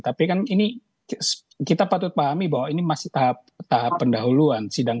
tapi kan ini kita patut pahami bahwa ini masih tahap pendahuluan sidang